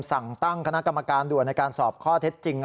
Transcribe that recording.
สั่งตั้งคณะกรรมการด่วนในการสอบข้อเท็จจริง